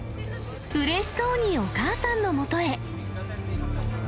うれしそうにお母さんのもとへ。